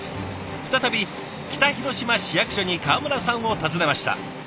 再び北広島市役所に川村さんを訪ねました。